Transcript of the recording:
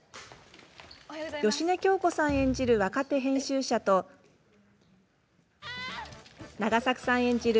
芳根京子さん演じる若手編集者と永作さん演じる